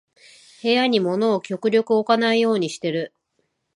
部屋に物を極力置かないようにしてる